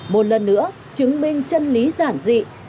một lần nữa chứng minh chân lý giản dị